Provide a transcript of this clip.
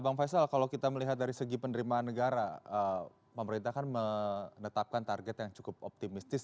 bang faisal kalau kita melihat dari segi penerimaan negara pemerintah kan menetapkan target yang cukup optimistis